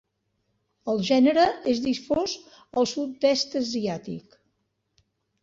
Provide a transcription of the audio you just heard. El gènere és difós al sud-est asiàtic.